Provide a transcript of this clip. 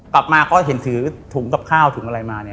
กลับมาก็เห็นถือถุงกับข้าวถุงอะไรมาเนี่ย